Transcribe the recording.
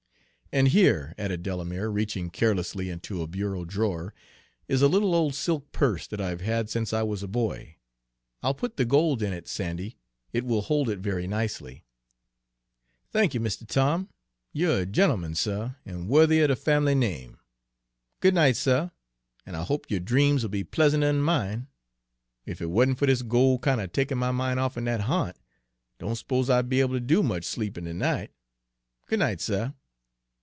"And here," added Delamere, reaching carelessly into a bureau drawer, "is a little old silk purse that I've had since I was a boy. I'll put the gold in it, Sandy; it will hold it very nicely." "Thank y', Mistuh Tom. You're a gentleman, suh, an' wo'thy er de fam'ly name. Good night, suh, an' I hope yo' dreams 'll be pleasanter 'n' mine. Ef it wa'n't fer dis gol' kinder takin' my min' off'n dat ha'nt, I don' s'pose I'd be able to do much sleepin' ter night. Good night, suh."